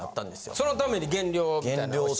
そのために減量みたいなのをした。